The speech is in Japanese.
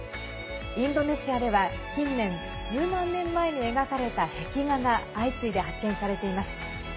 インドネシアでは近年数万年前に描かれた壁画が相次いで発見されています。